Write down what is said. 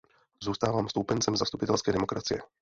Zůstávám stoupencem zastupitelské demokracie.